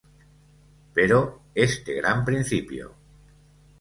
Pero este gran principio: